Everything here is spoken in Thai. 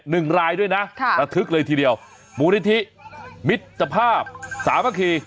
หนึ่งรายด้วยนะค่ะระทึกเลยทีเดียวมูลนิธิมิตรภาพสามัคคี